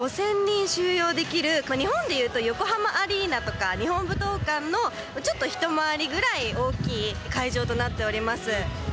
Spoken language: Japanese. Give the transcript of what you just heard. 約２万５０００人収容できる、日本で言うと横浜アリーナとか日本武道館の一回りぐらい大きい会場となっています。